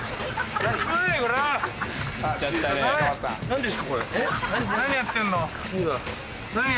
何やってんの？